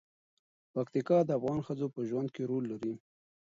پکتیکا د افغان ښځو په ژوند کې رول لري.